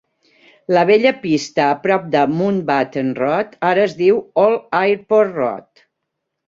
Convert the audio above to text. La vella pista a prop de Mountbatten Road ara es diu Old Airport Road.